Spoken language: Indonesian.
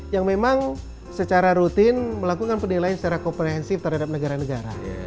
yang memang secara rutin melakukan penilaian secara komprehensif terhadap negara negara